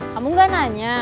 kamu gak nanya